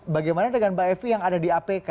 bagaimana dengan mbak evi yang ada di apk